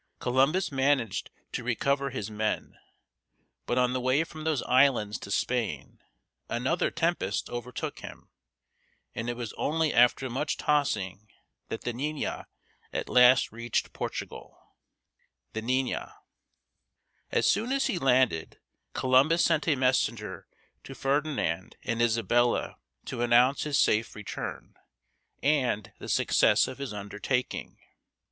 Columbus managed to recover his men, but on the way from those islands to Spain another tempest overtook him, and it was only after much tossing that the Niña at last reached Portugal. [Illustration: The Niña.] As soon as he landed, Columbus sent a messenger to Ferdinand and Isabella to announce his safe return, and the success of his undertaking.